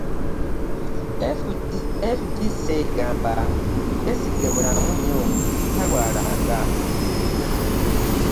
FDC egamba nti Besigye mulamu nnyo talwalanga.